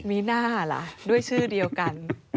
มีหน้าล่ะด้วยชื่อเดียวกัน